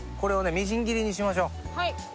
みじん切りにしましょうはい